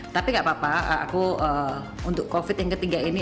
tapi gak apa apa aku untuk covid yang ketiga ini